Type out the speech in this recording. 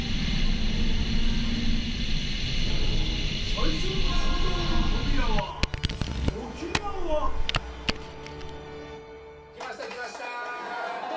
最初の禁断の扉は。来ました来ました。